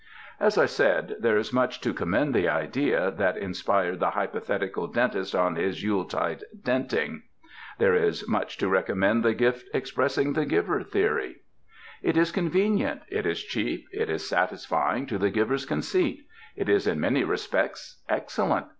As I said, there is much to recommend the idea that inspired the hypothetical dentist on his Yule ESSAYS tide denting; there is much to recommend the gift expressing the giver theory. It is convenient, it is cheap, it is satisfying to the giver's conceit. It is in many respects excellent.